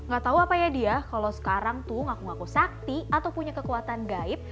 gak tau apa ya dia kalau sekarang tuh ngaku ngaku sakti atau punya kekuatan gaib